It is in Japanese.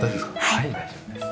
はい大丈夫です。